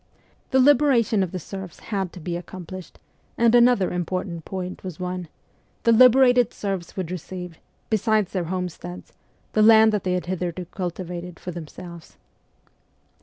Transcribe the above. The liberation of the serfs had to be accomplished ; and another important point was won the liberated serfs would receive, besides their homesteads, the land that they had hitherto cultivated for themselves.